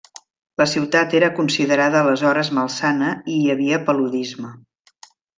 La ciutat era considerada aleshores malsana i hi havia paludisme.